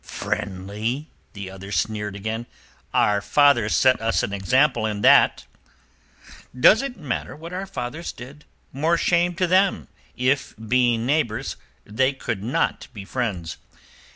"Friendly?" The other sneered again. "Our fathers set us an example in that." "Does it matter what our fathers did? More shame to them if, being neighbours, they could not be friends.